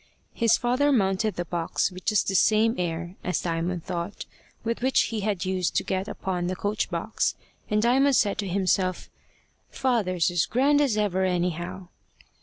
His father mounted the box with just the same air, as Diamond thought, with which he had used to get upon the coach box, and Diamond said to himself, "Father's as grand as ever anyhow."